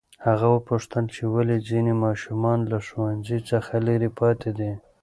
هغه وپوښتل چې ولې ځینې ماشومان له ښوونځي څخه لرې پاتې دي.